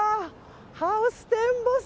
ハウステンボス。